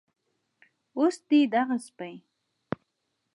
اوس دې دغه سپي